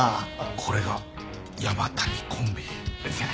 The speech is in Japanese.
これが山谷コンビ。